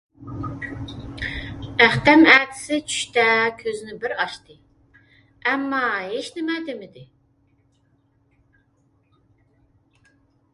ئەختەم ئەتىسى چۈشتە كۆزىنى بىر ئاچتى، ئەمما ھېچنېمە دېمىدى.